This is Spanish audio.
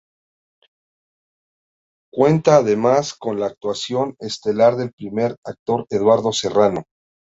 Cuenta además con la actuación estelar del primer actor Eduardo Serrano.